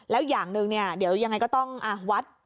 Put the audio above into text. แล้วอย่างหนึ่งเนี่ยเดี๋ยวยังไงก็ต้องวัด